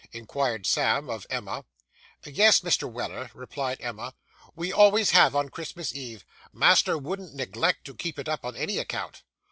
inquired Sam of Emma. 'Yes, Mr. Weller,' replied Emma; 'we always have on Christmas Eve. Master wouldn't neglect to keep it up on any account.